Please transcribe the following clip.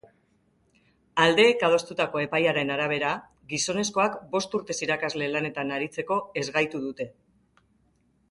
Aldeek adostutako epaiaren arabera, gizonezkoak bost urtez irakasle lanetan aritzeko ezgaitu dute.